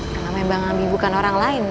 kalau memang abi bukan orang lain